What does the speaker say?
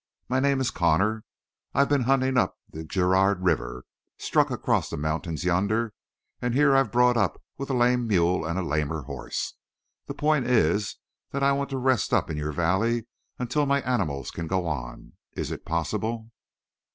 My name is Connor. I've been hunting up the Girard River, struck across the mountains yonder, and here I've brought up with a lame mule and a lamer horse. The point is that I want to rest up in your valley until my animals can go on. Is it possible?"